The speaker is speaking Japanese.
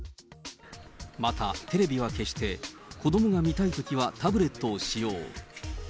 また、テレビは消して、子どもが見たいときはタブレットを使用。